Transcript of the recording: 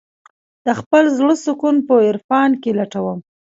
د خپل زړه سکون په عرفان کې لټوم.